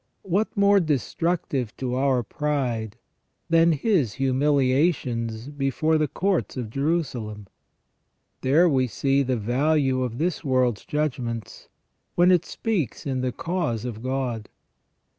What more destructive to our pride than His humiliations before the courts of Jerusalem ? There we see the value of this world's judgments, when it speaks in the cause of God.